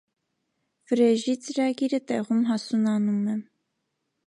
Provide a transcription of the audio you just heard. Վրեժի ծրագիրը տեղում հասունանում է։